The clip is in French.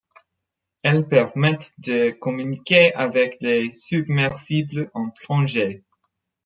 Elles permettent de communiquer avec les submersibles en plongée.